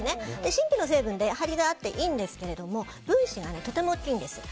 真皮の成分で張りがあっていいんですけど分子がとても大きいんです。